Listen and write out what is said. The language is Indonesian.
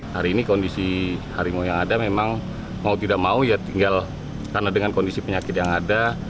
hari ini kondisi harimau yang ada memang mau tidak mau ya tinggal karena dengan kondisi penyakit yang ada